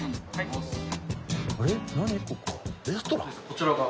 こちらが？